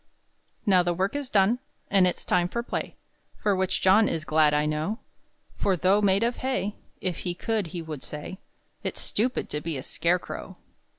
Now the work is done, And it's time for play, For which John is glad I know; For though made of hay, If he could he would say, "It's stupid to be a scarecrow."